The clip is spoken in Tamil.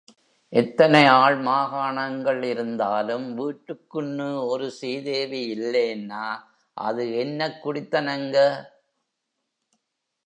எத்தனை ஆள் மாகாணங்கள் இருந்தாலும் வீட்டுக்குன்னு ஒரு சீதேவி இல்லேன்னா அது என்னக் குடித்தனங்க?